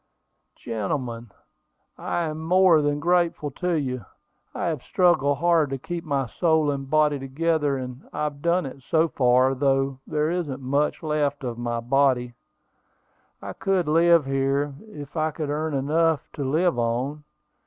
"Gentlemen, I am more than grateful to you. I have struggled hard to keep my soul and body together, and I've done it so far, though there isn't much left of my body. I could live here, if I could earn enough to live on.